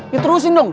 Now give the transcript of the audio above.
ya terusin dong